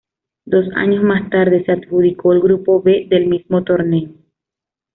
Dos años más tarde se adjudicó el grupo B del mismo torneo.